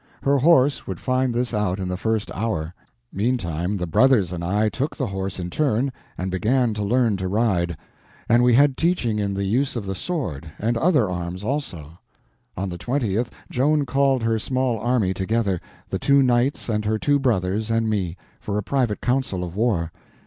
Her horse would find this out in the first hour. Meantime the brothers and I took the horse in turn and began to learn to ride. And we had teaching in the use of the sword and other arms also. On the 20th Joan called her small army together—the two knights and her two brothers and me—for a private council of war.